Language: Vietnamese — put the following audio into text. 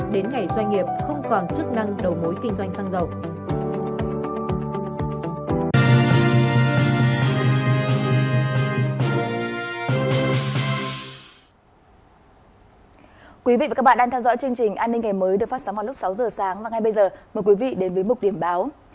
đến ngày doanh nghiệp không còn chức năng đầu mối kinh doanh xăng dầu